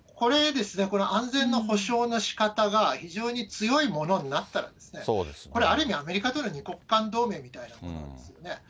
この安全の保障のしかたが、非常に強いものになったら、これ、ある意味、アメリカとの２国間同盟みたいなものですよね。